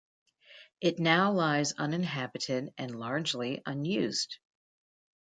It now lies uninhabited and largely unused.